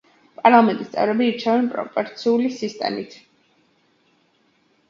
პარლამენტის წევრები ირჩევიან პროპორციული სისტემით.